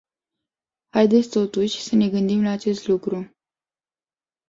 Haideți totuși să ne gândim la acest lucru.